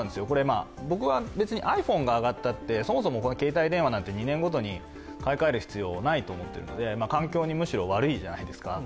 僕は別にｉＰｈｏｎｅが上がったって、そもそも携帯電話なんて２年ごとに買い換える必要ないと思っているので環境にむしろ悪いじゃないですか。